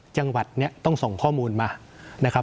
๑จังหวัดต้องส่งข้อมูลมา